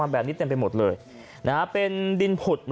แบบนี้เต็มไปหมดเลยนะครับเป็นดินผุดหรือว่า